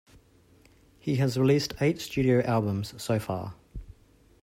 He has released eight studio albums so far.